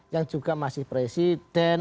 yang juga masih presiden